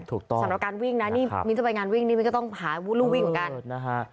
สำหรับการวิ่งนะนี่มิ้นจะไปงานวิ่งนี่มิ้นก็ต้องหาวูลูวิ่งเหมือนกันนะฮะ